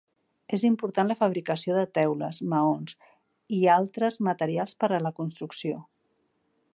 És important la fabricació de teules, maons i altres materials per a la construcció.